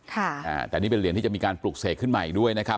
แต่นี่เป็นเหรียญที่จะมีการปลุกเสกขึ้นใหม่ด้วยนะครับ